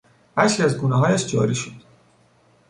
اشک از گونههایش جاری شد.